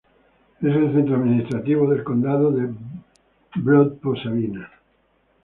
Es el centro administrativo del condado de Brod-Posavina.